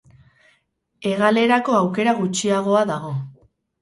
Hegalerako aukera gutxiagoa dago.